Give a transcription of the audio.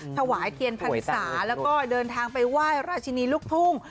ถวายเทียนพรรษาแล้วก็เดินทางไปไหว้ราชินีลูกทุ่ง